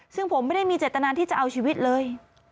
ซึ่งผมไม่ได้มีเจตนาที่จะเอาชีวิตเลย